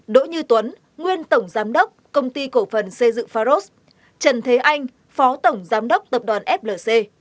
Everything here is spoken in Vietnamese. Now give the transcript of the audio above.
đỗ như tuấn nguyên tổng giám đốc công ty cổ phần xây dựng pharos trần thế anh phó tổng giám đốc tập đoàn flc